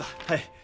はい。